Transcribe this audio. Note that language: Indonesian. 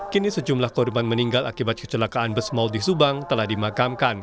kini sejumlah korban meninggal akibat kecelakaan bus mal di subang telah dimakamkan